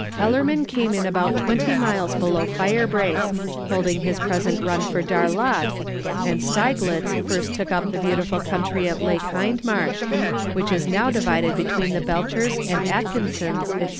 Ellerman came in about twenty miles below Firebrace, holding his present run for Darlot, and Steiglitz first took up the beautiful country at Lake Hindmarsh, which is now divided between the Belchers and Atkinsons, &c.